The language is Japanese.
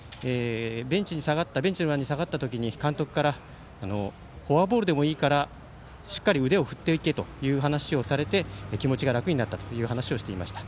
ベンチに下がった時に、監督からフォアボールでもいいからしっかり腕を振っていけという話をされて気持ちが楽になったという話をしていました。